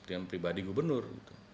yang pribadi gubernur